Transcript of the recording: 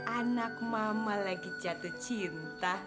anak mama lagi jatuh cinta